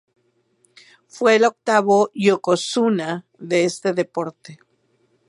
Fue el octavo "yokozuna" de este deporte.